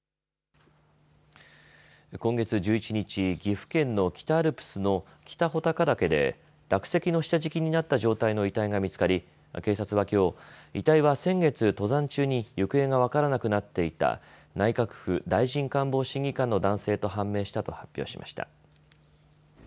今月１１日、岐阜県の北アルプスの北穂高岳で落石の下敷きになった状態の遺体が見つかり警察はきょう、遺体は先月登山中に行方が分からなくなっていた内閣府大臣官房審議官の男性と判明したと発表しました。